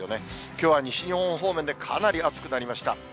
きょうは西日本方面でかなり暑くなりました。